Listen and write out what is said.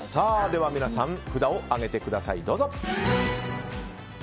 では皆さん、札を上げてください。